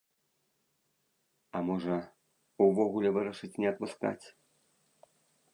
А можа, увогуле вырашыць не адпускаць?